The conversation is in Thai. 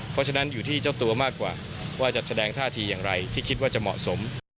เพราะฉะนั้นอยู่ที่เจ้าตัวมากกว่าว่าจะแสดงท่าทีอย่างไรที่คิดว่าจะเหมาะสม